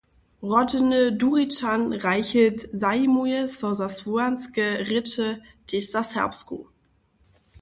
Rodźeny Durinčan Reichelt zajimuje so za słowjanske rěče, tež za serbsku.